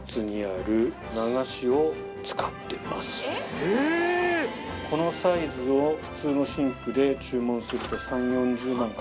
え⁉「このサイズを普通のシンクで注文すると」。